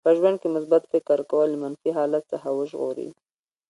په ژوند کې مثبت فکر کول له منفي حالت څخه وژغوري.